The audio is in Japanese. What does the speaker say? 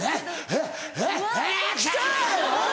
えっ？